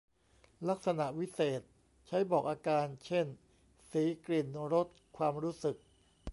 ลักษณะวิเศษณ์ ใช้บอกอาการ เช่น สี กลิ่น รส ความรู้สึก